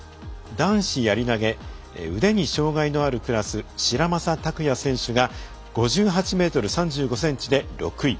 男子やり投げ腕に障がいのあるクラス白砂匠庸選手が５８ｍ３５ｃｍで６位。